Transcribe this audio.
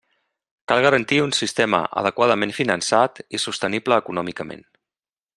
Cal garantir un sistema adequadament finançat i sostenible econòmicament.